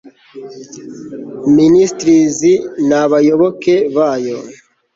ministries ni abayoboke bayo